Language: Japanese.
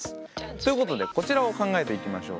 ということでこちらを考えていきましょう。